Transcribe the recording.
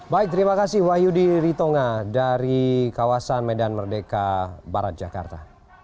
baik terima kasih wahyudi ritonga dari kawasan medan merdeka barat jakarta